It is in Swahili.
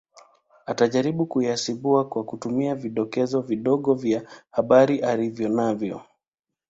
Atajaribu kuyasimbua kwa kutumia vidokezo kidogo vya habari alivyonavyo